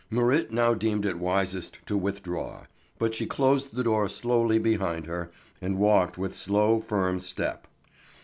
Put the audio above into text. Marit now deemed it wisest to withdraw, but she closed the door slowly behind her, and walked with slow firm step.